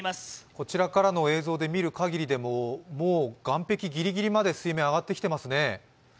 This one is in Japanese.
こちらからの映像で見るかぎりでも岸壁ぎりぎりまで水面が上がってきていますね